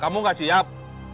kamu gak siap